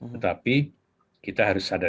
tetapi kita harus sadar